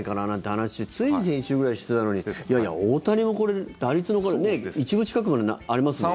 話つい先週ぐらいにしてたのにいやいや、大谷もこれ打率が１分近くまでありますもんね。